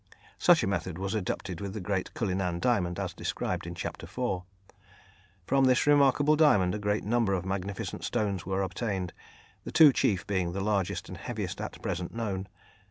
Such a method was adopted with the great Cullinan diamond, as described in Chapter IV. From this remarkable diamond a great number of magnificent stones were obtained, the two chief being the largest and heaviest at present known.